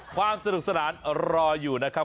ความสนุกสนานรออยู่นะครับ